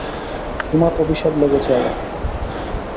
তোমার অভিশাপ লেগেছে আবার।